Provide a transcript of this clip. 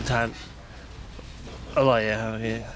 สดทานอร่อยครับ